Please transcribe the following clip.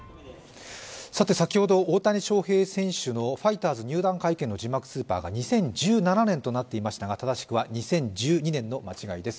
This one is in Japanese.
先ほど大谷翔平選手のファイターズ入団会見の字幕スーパーが２０１７年となっていましたが、正しくは２０１２年の間違いです。